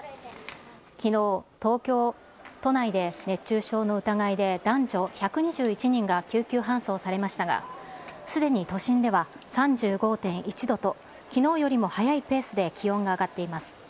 きのう、東京都内で熱中症の疑いで男女１２１人が救急搬送されましたが、すでに都心では３５．１度と、きのうよりも速いペースで気温が上がっています。